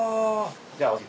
じゃあ。